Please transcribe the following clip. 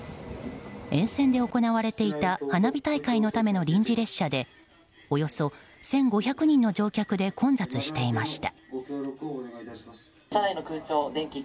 沿線で行われていた花火大会のための臨時列車でおよそ１５００人の乗客で混雑していました。